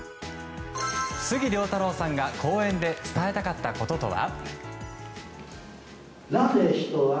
杉良太郎さんが講演で伝えたかったこととは。